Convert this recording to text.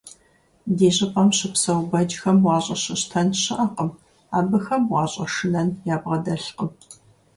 Ди щIыпIэм щыпсэу бэджхэм уащIыщыщтэн щыIэкъым, абыхэм ущIэшынэн ябгъэдэлъкъым.